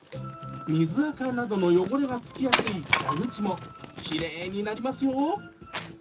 水あかなどの汚れがつきやすい蛇口もきれいになりますよ。